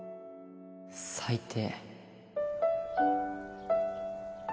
最低。